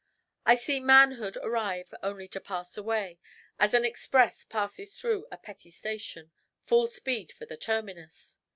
I see manhood arrive only to pass away, as an express passes through a petty station, full speed for the terminus.